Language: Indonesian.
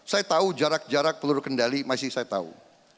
saya tahu jarak jarak peluru kendali masih saya tahu